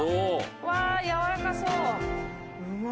うわ柔らかそう。